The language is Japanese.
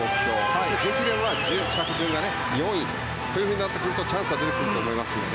そして、できれば着順が４位となってくるとチャンスが出てくると思います。